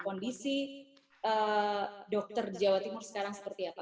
kondisi dokter jawa timur sekarang seperti apa